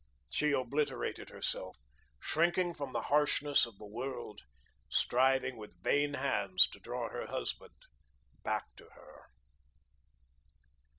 She obliterated herself, shrinking from the harshness of the world, striving, with vain hands, to draw her husband back with her.